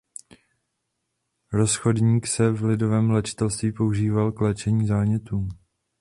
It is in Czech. Rozchodník se v lidovém léčitelství používal k léčení zánětů.